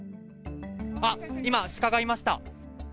今、シカがいました。